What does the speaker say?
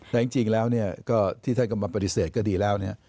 แต่จริงแล้วเนี่ยก็ที่ท่านก็มาปฏิเสธก็ดีแล้วเนี่ย